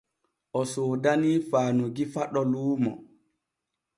O soodanii Faanugui Faɗo luumo.